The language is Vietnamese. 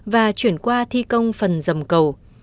và chuyển qua thi công phần dầm cầu